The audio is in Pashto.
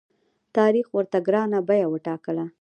تاریخ ورته ګرانه بیه وټاکله.